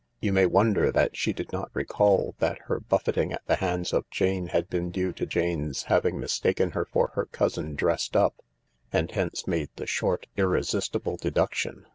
You may wonder that she did not recall that her buffeting $t the hands of Jane had been due to Jane's having mistaken her for her cousin "dressed up," and hence made the short, irresistible deduction.